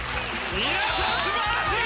皆さん素晴らしい！